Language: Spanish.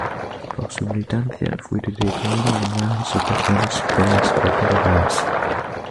Por su militancia fue detenido en varias ocasiones por las autoridades.